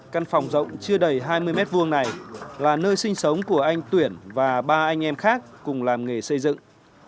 căn phòng rộng chưa đầy hai mươi m hai này là nơi sinh sống của anh tuyển và ba anh em khác cùng làm nghề xây dựng